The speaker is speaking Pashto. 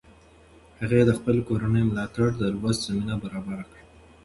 هغې د خپلې کورنۍ ملاتړ د لوست زمینه برابره کړه.